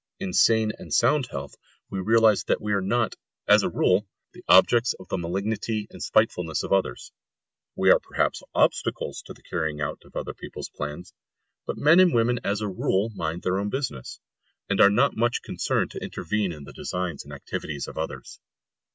In sane and sound health we realise that we are not, as a rule, the objects of the malignity and spitefulness of others. We are perhaps obstacles to the carrying out of other people's plans; but men and women as a rule mind their own business, and are not much concerned to intervene in the designs and activities of others.